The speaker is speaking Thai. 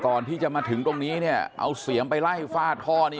ตอนที่จะมาถึงตรงนี้เอาเสียมไปไล่ฟาดพ่อนิ